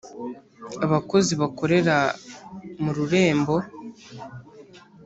abakozi bakorera mu rurembo